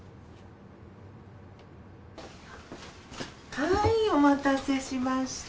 はいお待たせしました。